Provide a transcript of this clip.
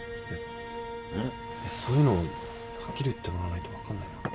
そういうのはっきり言ってもらわないと分かんないな。